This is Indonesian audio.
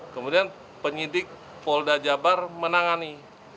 kemudian penyidik polda jabar menangani